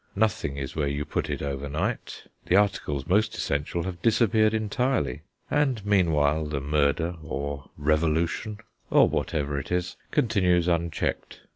Nothing is where you put it overnight, the articles most essential have disappeared entirely; and meanwhile the murder, or revolution, or whatever it is, continues unchecked.